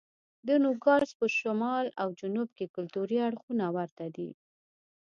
د نوګالس په شمال او جنوب کې کلتوري اړخونه ورته دي.